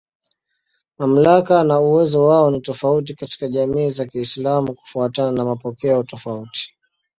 Mamlaka na uwezo wao ni tofauti katika jamii za Kiislamu kufuatana na mapokeo tofauti.